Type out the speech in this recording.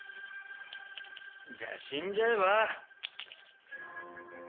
じゃあ死んじゃえば？